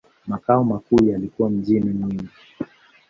Makao makuu yalikuwa mjini Mwingi.